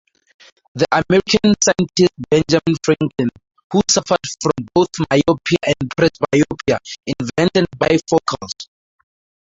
The American scientist Benjamin Franklin, who suffered from both myopia and presbyopia, invented bifocals.